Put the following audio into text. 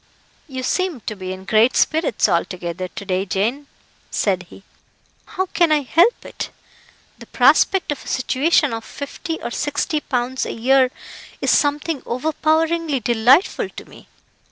"You seem to be in great spirits altogether, to day, Jane," said he. "How can I help it? The prospect of a situation of fifty or sixty pounds a year is something overpoweringly delightful to me.